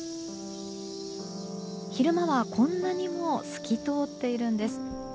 昼間はこんなにも透き通っているんです。